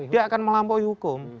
dia akan melampaui hukum